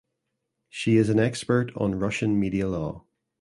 She is an expert on Russian media law.